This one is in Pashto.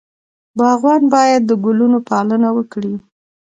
باغوان باید د ګلونو پالنه وکړي.